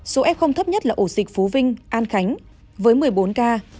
số f thấp nhất là ổ dịch phú vinh an khánh với một mươi bốn ca